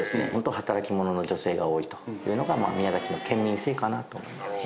働き者の女性が多いというのが宮崎の県民性かなと思いますね。